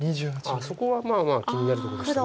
あっそこはまあまあ気になるとこでした。